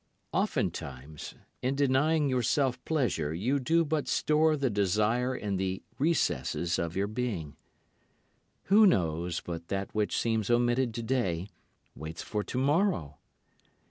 Oftentimes in denying yourself pleasure you do but store the desire in the recesses of your being. Who knows but that which seems omitted today, waits for tomorrow?